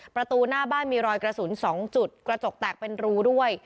ประตูหน้าบ้านมีรอยกระสุน๒จุดกระจกแตกเป็นรูด้วย